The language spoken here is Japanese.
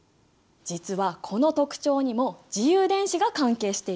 実はこの特徴にも自由電子が関係しているんだ。